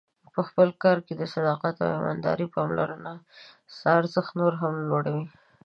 په خپل کار کې د صداقت او ایماندارۍ پاملرنه ستا ارزښت نور هم لوړوي.